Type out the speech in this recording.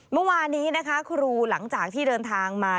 เมื่อวานนี้นะคะครูหลังจากที่เดินทางมา